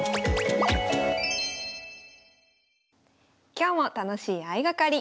今日も楽しい相掛かり。